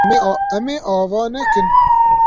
Em ê ava nekin.